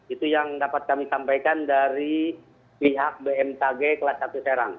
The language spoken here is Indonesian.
itu yang dapat kami sampaikan dari pihak bmkg kelas satu serang